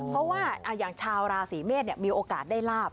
เพราะว่าอย่างชาวราศีเมษมีโอกาสได้ลาบ